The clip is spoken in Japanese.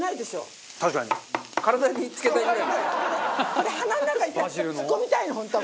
これ鼻の中にさ突っ込みたいの本当は。